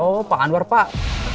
oh pak anwar pak